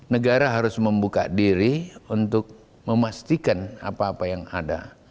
negara harus membuka diri untuk memastikan apa apa yang ada